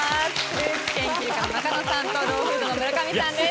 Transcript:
フルーツ研究家の中野さんとローフードの村上さんです。